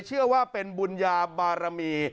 เชื่อว่าเป็นบุญญาบารมี